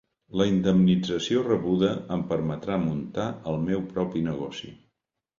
La indemnització rebuda em permetrà muntar el meu propi negoci.